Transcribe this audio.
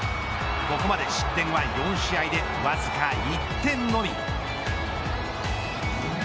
ここまで失点は４試合でわずか１点のみ。